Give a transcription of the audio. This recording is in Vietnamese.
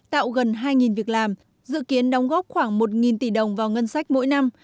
tạo gần hai việc làm dự kiến đóng góp khoảng một tỷ đồng vào ngân sách mỗi năm